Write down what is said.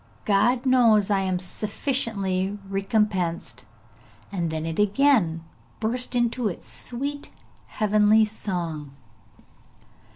God knows I am sufficiently recompensed!' and then it again burst into its sweet heavenly song.